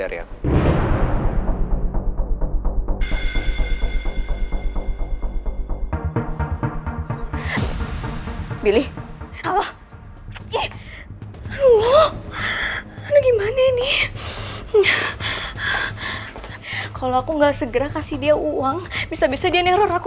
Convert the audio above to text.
aku harus jual perhiasan aku